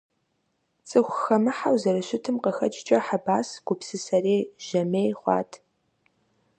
ЦӀыхухэмыхьэу зэрыщытым къыхэкӀкӀэ, Хьэбас гупсысэрей, жьэмей хъуат.